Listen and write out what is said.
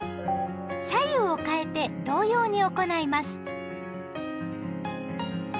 左右をかえて同様に行います。